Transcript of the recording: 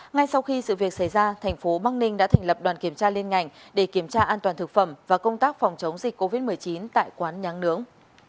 ngay sau khi sự việc xảy ra thành phố bắc ninh đã thành lập đoàn kiểm tra liên ngành để kiểm tra an toàn thực phẩm và công tác phòng chống dịch covid một mươi chín tại quán nháng nướng